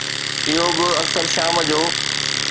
اهو به اڪثر شام جو.